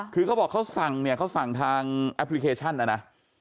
คือเขาบอกว่าเขาสั่งทางแอปพลิเคชันนะนะ